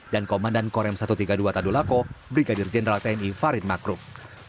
dan komandan korem satu ratus tiga puluh dua tadulako brigadir jenderal tni farid makruf